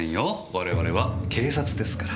我々は警察ですから。